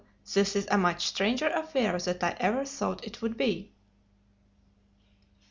This is a much stranger affair than I ever thought it would be!"